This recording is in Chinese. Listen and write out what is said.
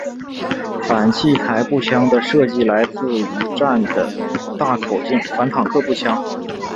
反器材步枪的设计来自一战的大口径反坦克步枪。